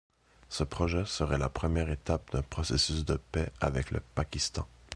Ce projet serait la première étape d'un processus de paix avec le Pakistan.